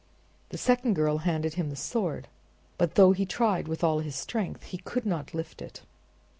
The second girl handed him the sword, but though he tried with all his strength he could not lift it.